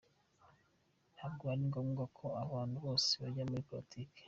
Ntabwo ari ngombwa ngo abantu bose bajye muri politiki.